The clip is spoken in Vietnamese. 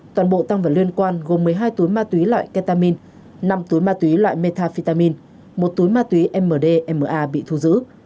toàn bộ tăng vật liên quan gồm một mươi hai túi ma túy loại ketamine năm túi ma túy loại metafetamin một túi ma túy mdma bị thu giữ